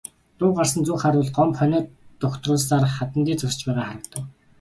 Дуу гарсан зүг харвал Гомбо хонио дугтруулсаар хадан дээр зогсож байгаа харагдав.